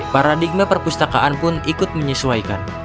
paradigma perpustakaan pun ikut menyesuaikan